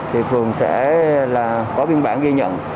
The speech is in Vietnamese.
thì phường sẽ là có biên bản ghi nhận